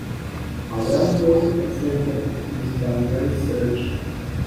A well-known example is binary search.